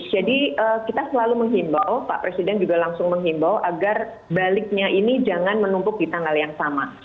jadi kita selalu menghimbau pak presiden juga langsung menghimbau agar baliknya ini jangan menumpuk kita dengan yang sama